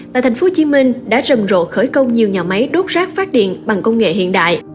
tại tp hcm đã rầm rộ khởi công nhiều nhà máy đốt rác phát điện bằng công nghệ hiện đại